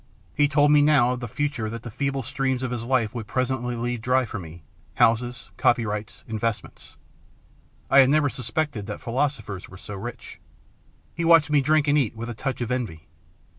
He told me now of the future that the feeble streams of his life would presently leave dry for me, houses, copyrights, investments ; I had never suspected that philosophers were so rich. He watched me drink and eat with a touch of envy.